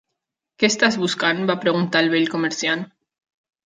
"Què estàs buscant?", va preguntar el vell comerciant.